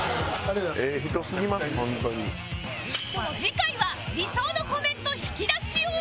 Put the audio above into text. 次回は理想のコメント引き出し王